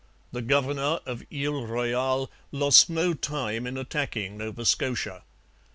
The governor of Ile Royale lost no time in attacking Nova Scotia.